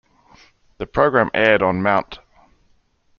The program aired on Mt.